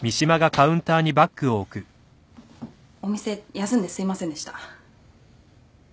お店休んですいませんでした。